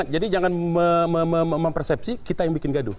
jadi jangan mempersepsi kita yang bikin gaduh